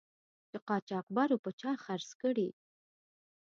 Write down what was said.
چې قاچاقبرو په چا خرڅ کړی.